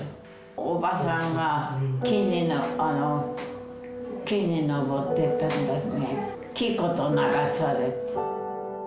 おばさんが木に登ってたんだけど、木ごと流された。